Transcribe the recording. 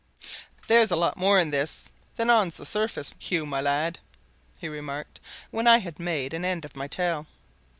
"There's a lot more in this than's on the surface, Hugh, my lad," he remarked when I had made an end of my tale.